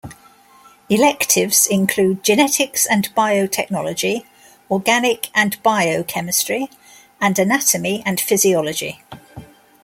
Electives include Genetics and Biotechnology, Organic and Biochemistry, and Anatomy and Physiology.